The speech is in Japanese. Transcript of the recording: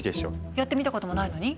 やってみたこともないのに？